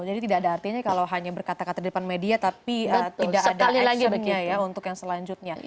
jadi tidak ada artinya kalau hanya berkata kata di depan media tapi tidak ada actionnya ya untuk yang selanjutnya